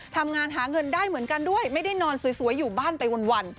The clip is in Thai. ทำงานหาเงินได้เหมือนกันด้วยไม่ได้นอนสวยอยู่บ้านไปวัน